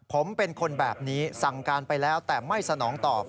ผมเป็นคนแบบนี้สั่งการไปแล้วแต่ไม่สนองตอบ